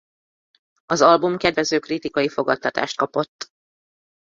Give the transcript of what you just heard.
Az album kedvező kritikai fogadtatást kapott.